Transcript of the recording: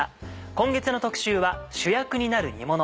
今月の特集は「主役になる煮もの」。